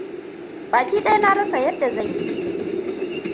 Baki ɗaya na rasa yadda zan yi.